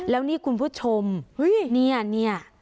แล้วนี่คุณผู้ชมเนี่ย